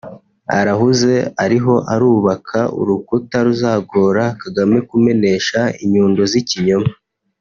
Arahuze ariho arubaka urukuta ruzagora Kagame kumenesha inyundo z’ikinyoma